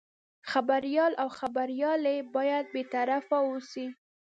خبریال او خبریالي باید بې طرفه اوسي.